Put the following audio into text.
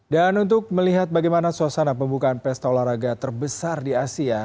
dan untuk melihat bagaimana suasana pembukaan pesta olahraga terbesar di asia